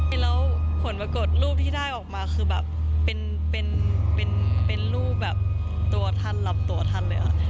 แล้วผลปรากฏรูปที่ได้ออกมาคือแบบเป็นรูปแบบตัวท่านรับตัวท่านเลยค่ะ